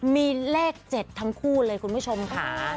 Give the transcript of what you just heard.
มีเลข๗ทั้งคู่เลยคุณผู้ชมค่ะ